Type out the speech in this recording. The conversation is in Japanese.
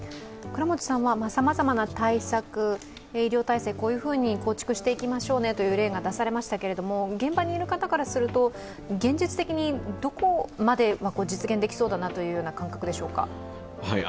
さまざまな対策、医療体制、こういうふうに構築していきましょうねという例が出されましたが、現場にいる方からすると現実的にどこまで実現できそうだなという感じでしょうか。